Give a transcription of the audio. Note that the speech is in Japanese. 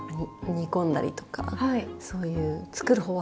煮込んだりとかそういう作る方は好きです。